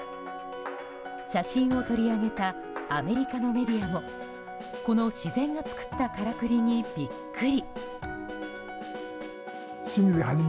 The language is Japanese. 写真を取り上げたアメリカのメディアもこの自然が作ったからくりにビックリ。